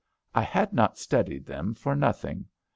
I had not studied them for nothing.